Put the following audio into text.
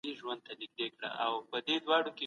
دوی نسي کولای چي د نورو په حقوقو تېری وکړي.